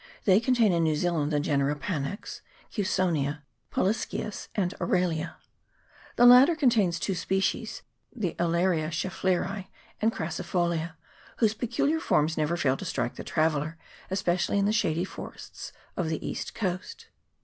They contain in New Zealand the genera Panax, Cussonia, Polyscias, and Aralia. The latter con tains two species, the Aralia Scheffleri and crassi folia, whose peculiar forms never fail to strike the traveller, especially in the shady forests of the east coast.